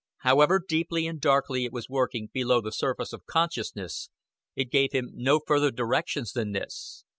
However deeply and darkly it was working below the surface of consciousness, it gave him no further directions than this.